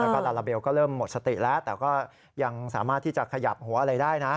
แล้วก็ลาลาเบลก็เริ่มหมดสติแล้วแต่ก็ยังสามารถที่จะขยับหัวอะไรได้นะ